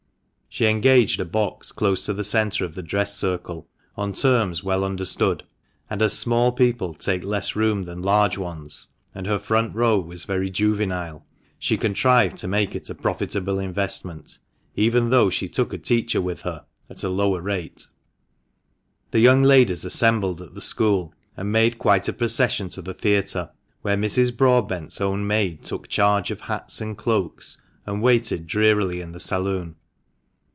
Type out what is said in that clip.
She engaged a box close to the centre of the dress circle, on terms well understood, and as small people take less room than large ones, and her front row was very juvenile, she contrived to make it a profitable investment, even though she took a teacher with her (at a lower rate). The young ladies assembled at the school, and made quite a procession to the theatre, where Mrs. Broadbent's own maid took charge of hats and cloaks, and waited drearily in the saloon.